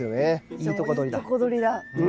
いいとこ取りだ。